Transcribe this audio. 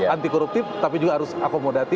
anti koruptif tapi juga harus akomodasi